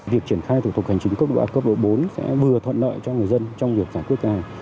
việc triển khai thủ tục hành chính cấp độ cấp độ bốn sẽ vừa thuận lợi cho người dân trong việc giải quyết